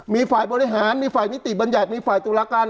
มีฝ่ายบริหารมีฝ่ายนิติบัญญัติมีฝ่ายตุลาการ